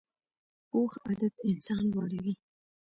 پوخ عادت انسان لوړوي